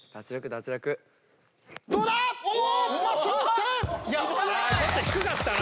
どうだ⁉ちょっと低かったな。